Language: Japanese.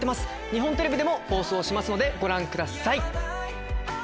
日本テレビでも放送しますのでご覧ください。